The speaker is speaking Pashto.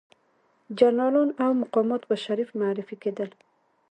جنرالان او مقامات به شریف معرفي کېدل.